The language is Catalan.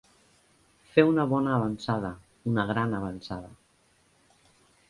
Fer una bona avançada, una gran avançada.